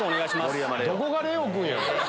どこがレオ君やん。